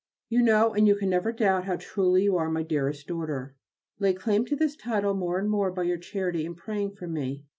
You know and you can never doubt how truly you are my dearest daughter. Lay claim to this title more and more by your charity in praying for me.